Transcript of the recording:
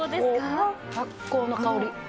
発酵の香り。